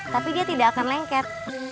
tapi dia tidak akan lengket